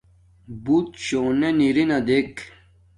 بُݸت شݸنݺ نِرِنݳ دݵک.